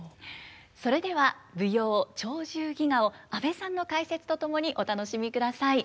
それでは舞踊「鳥獣戯画」を阿部さんの解説と共にお楽しみください。